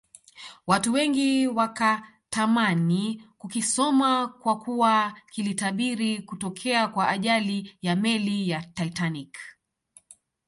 watu wengi wakatamani kukisoma kwakuwa kilitabiri kutokea kwa ajali ya meli ya Titanic